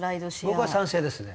僕は賛成ですね。